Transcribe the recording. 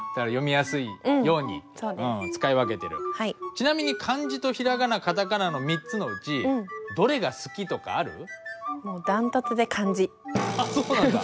ちなみに漢字とひらがなカタカナの３つのうちそうなんだ。